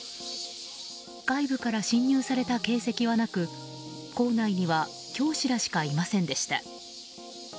外部から侵入された形跡はなく校内には教師らしかいませんでした。